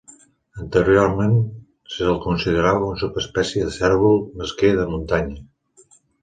Anteriorment se'l considerava una subespècie del cérvol mesquer de muntanya.